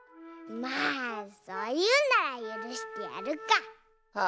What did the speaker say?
まあそういうならゆるしてやるか。